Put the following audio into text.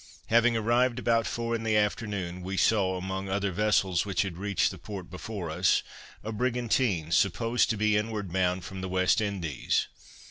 Having arrived about four in the afternoon, we saw, among other vessels which had reached the port before us, a brigantine supposed to be inward bound from the West Indies.